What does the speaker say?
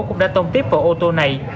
cũng đã tông tiếp vào ô tô này